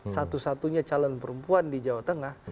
satu satunya calon perempuan di jawa tengah